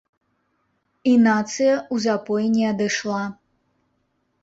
І нацыя ў запой не адышла.